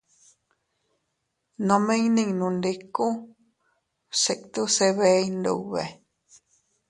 Nome iynninundiku bsitu se bee Iyndube.